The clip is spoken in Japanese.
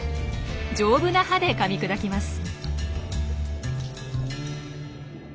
丈夫な歯でかみ砕きます。